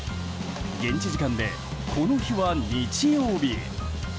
現地時間で、この日は日曜日。